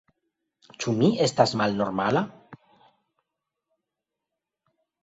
Ĉu mi estas malnormala?